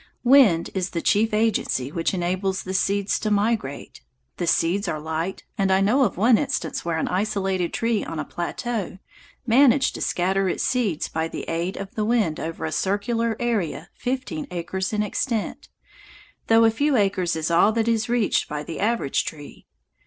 Wind is the chief agency which enables the seeds to migrate. The seeds are light, and I know of one instance where an isolated tree on a plateau managed to scatter its seeds by the aid of the wind over a circular area fifty acres in extent, though a few acres is all that is reached by the average tree.